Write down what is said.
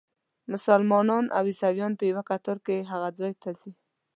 مسلمانان او عیسویان په یوه کتار کې هغه ځای ته ځي.